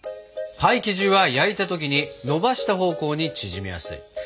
パイ生地は焼いた時にのばした方向に縮みやすい。